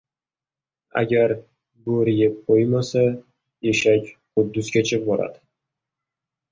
• Agar bo‘ri yeb qo‘ymasa, eshak Quddusgacha boradi.